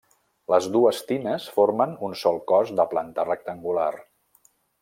Les dues tines formen un sol cos de planta rectangular.